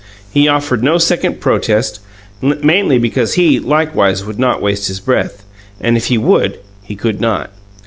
He offered no second protest, mainly because he, likewise, would not waste his breath, and if he would, he could not.